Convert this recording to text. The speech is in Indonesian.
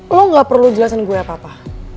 lo gak perlu jelasin gue apa apa